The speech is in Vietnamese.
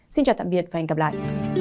xin chào tạm biệt và hẹn gặp lại